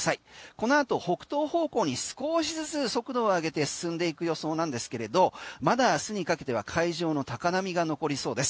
このあと北東方向に少しずつ速度を上げて進んで行く予想なんですけどまだ明日にかけては海上の高波が残りそうです。